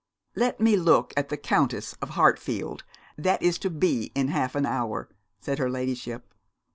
'Let me look at the Countess of Hartfield that is to be in half an hour,' said her ladyship.